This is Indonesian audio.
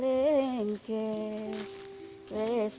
janganleri k cooper bula buka